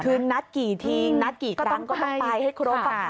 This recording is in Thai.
คือนัดกี่ทีนัดกี่ครั้งก็ต้องไปให้ครบ